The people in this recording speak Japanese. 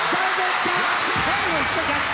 最後いった。逆転！